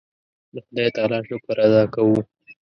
د خدای تعالی شکر ادا کوو.